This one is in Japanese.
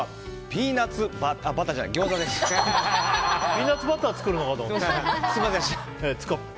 ピーナツバター作るのかと思った。